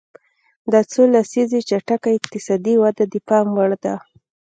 دا څو لسیزې چټکه اقتصادي وده د پام وړ ده.